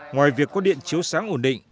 ngoài việc có điện chiếu sáng ổn định